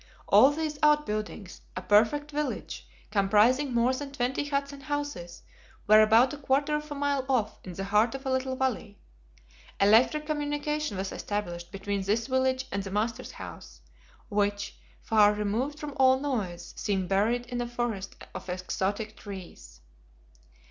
All these out buildings, a perfect village, comprising more than twenty huts and houses, were about a quarter of a mile off in the heart of a little valley. Electric communication was established between this village and the master's house, which, far removed from all noise, seemed buried in a forest of exotic trees.